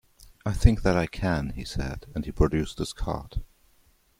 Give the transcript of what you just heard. "I think that I can," he said, and he produced his card.